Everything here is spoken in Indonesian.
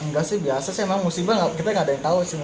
nggak sih biasa sih emang musibah kita gak ada yang tahu sih